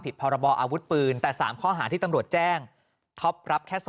พรบออาวุธปืนแต่๓ข้อหาที่ตำรวจแจ้งท็อปรับแค่๒